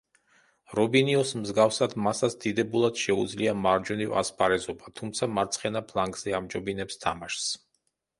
რობინიოს მსგავსად მასაც დიდებულად შეუძლია მარჯვნივ ასპარეზობა, თუმცა მარცხენა ფლანგზე ამჯობინებს თამაშს.